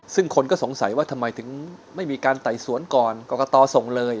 ซึ่งคนก็สงสัยว่าทำไมถึงไม่มีการไต่สวนก่อนกรกตส่งเลย